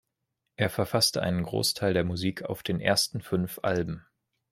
Er verfasste einen Großteil der Musik auf den ersten fünf Alben.